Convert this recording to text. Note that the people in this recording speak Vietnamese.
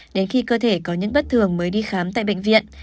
đến khi cơ thể có những bất thường mới đi khám tại bệnh viện